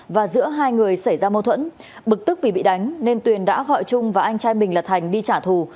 và giữa hai người xảy ra mâu thuẫn bực tức vì bị đánh nên tuyền đã gọi trung và anh trai mình là thành đi trả thù